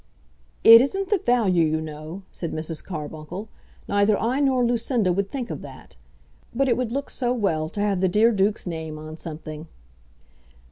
"It isn't the value, you know," said Mrs. Carbuncle; "neither I nor Lucinda would think of that; but it would look so well to have the dear duke's name on something."